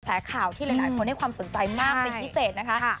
ข่าวที่หลายคนให้ความสนใจมากเป็นพิเศษนะคะ